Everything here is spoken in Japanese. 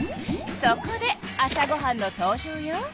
そこで朝ごはんの登場よ。